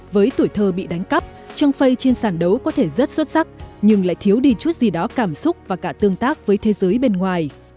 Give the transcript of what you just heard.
với tuổi thơ bị đánh cắp trang phai trên sàn đấu có thể rất xuất sắc nhưng lại thiếu đi chút gì đó cảm xúc và cả tương tác với thế giới bên ngoài